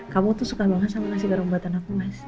kamu tuh suka banget sama nasi garam buatan aku mas